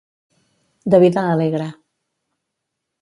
De vida alegre.